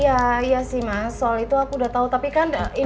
iya iya sih mas soal itu aku udah tau tapi kan